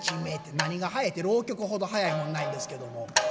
何が早いて浪曲ほど早いもんないんですけども。